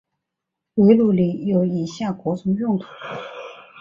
围炉里有以下各种用途。